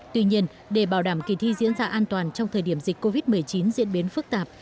tuy nhiên để bảo đảm kỳ thi diễn ra an toàn trong thời điểm dịch covid một mươi chín diễn biến phức tạp